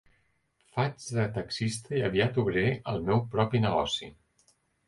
Faig de taxista i aviat obriré el meu propi negoci.